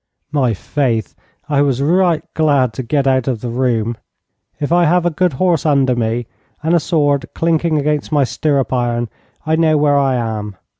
My faith, I was right glad to get out of the room. If I have a good horse under me, and a sword clanking against my stirrup iron, I know where I am.